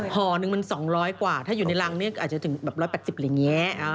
ห่อนึงมัน๒๐๐กว่าถ้าอยู่ในรังเนี่ยอาจจะถึงแบบ๑๘๐อะไรอย่างนี้